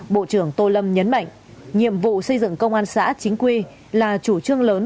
bộ trưởng tô lâm nhấn mạnh nhiệm vụ xây dựng công an xã chính quy là chủ trương lớn